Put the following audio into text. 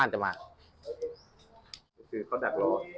ทำให้สัมภาษณ์อะไรต่างนานไปออกรายการเยอะแยะไปหมด